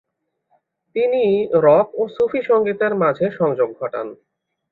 তিনিই রক ও সূফী সঙ্গীতের মাঝে সংযোগ ঘটান।